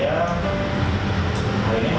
dan keluarga saya